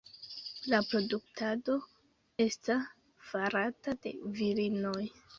La produktado esta farata de virinoj.